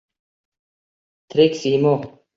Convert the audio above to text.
Tirik siymo —